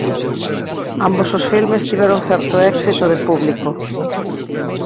Ambos os filmes tiveron certo éxito de público.